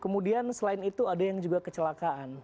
kemudian selain itu ada yang juga kecelakaan